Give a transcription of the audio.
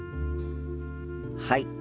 はい。